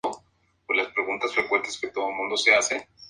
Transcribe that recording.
Hoy, varios miles de personas nacidas en Omán han emigrado al exterior.